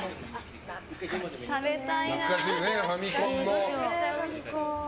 懐かしいね、ファミコンの。